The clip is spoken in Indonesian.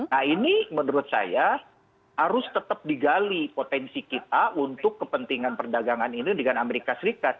nah ini menurut saya harus tetap digali potensi kita untuk kepentingan perdagangan ini dengan amerika serikat